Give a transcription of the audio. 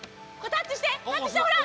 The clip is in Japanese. タッチしてほら！